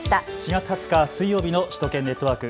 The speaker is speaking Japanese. ４月２０日水曜日の首都圏ネットワーク。